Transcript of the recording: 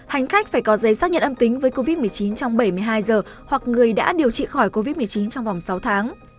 hành khách phải có giấy xác nhận âm tính với covid một mươi chín trong bảy mươi hai giờ hoặc người đã điều trị khỏi covid một mươi chín trong vòng sáu tháng